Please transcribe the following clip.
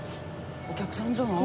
お客さんじゃない？